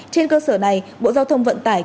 trên cơ sở này bộ giao thông vận tải